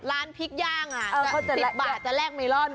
ร้านพริกย่าง๑๐บาทจะแลกเมลอน